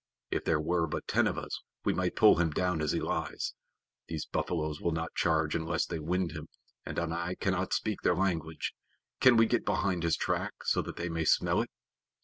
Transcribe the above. If there were but ten of us we might pull him down as he lies. These buffaloes will not charge unless they wind him, and I cannot speak their language. Can we get behind his track so that they may smell it?"